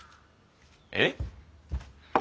えっ？